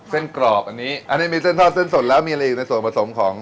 กรอบอันนี้อันนี้มีเส้นทอดเส้นสดแล้วมีอะไรอีกในส่วนผสมของ